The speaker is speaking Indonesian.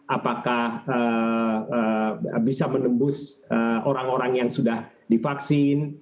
apakah bisa menembus orang orang yang sudah divaksin